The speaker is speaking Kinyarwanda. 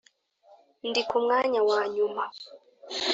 ndi kumwanya wa nyuma